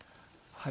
はい。